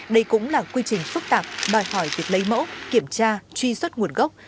đây cũng là quy trình phức tạp bài hỏi việc lấy mẫu kiểm tra truy xuất nguồn gốc